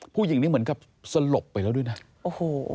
ผู้หญิงนี้เหมือนกับสลบไปแล้วด้วยนะโอ้โห